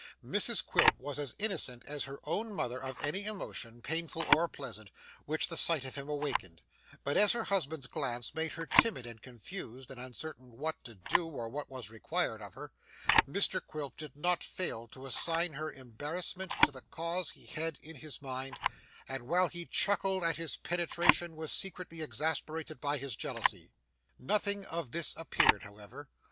Mrs Quilp was as innocent as her own mother of any emotion, painful or pleasant, which the sight of him awakened, but as her husband's glance made her timid and confused, and uncertain what to do or what was required of her, Mr Quilp did not fail to assign her embarrassment to the cause he had in his mind, and while he chuckled at his penetration was secretly exasperated by his jealousy. Nothing of this appeared, however.